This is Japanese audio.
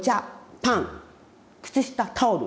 パン靴下タオル。